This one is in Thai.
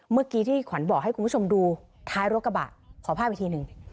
เมื่อกี้ที่ขวัญบอกให้คุณผู้ชมดูท้ายรถกระบะขอภาพอีกทีหนึ่ง